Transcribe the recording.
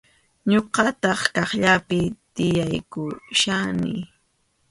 Ñuqataq kaqllapi tiyaykuchkani.